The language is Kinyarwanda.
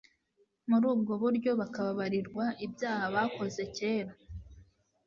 Muri ubwo buryo, bakababarirwa ibvaha bakoze kera,